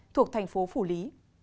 thuộc thành phố phủ lý